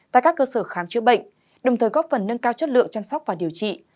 tại các cơ sở khám chữa bệnh đồng thời góp phần nâng cao chất lượng chăm sóc và điều trị